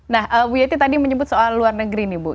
nah bu yeti tadi menyebut soal luar negeri nih bu